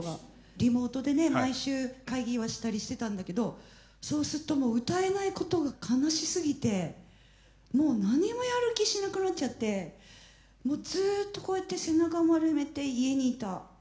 リモートでね毎週会議はしたりしてたんだけどそうすっともう歌えないことが悲しすぎてもう何もやる気しなくなっちゃってもうずっとこうやって背中丸めて家にいた。